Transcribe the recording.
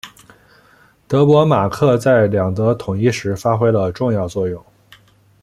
德国马克在两德统一时发挥了重要作用。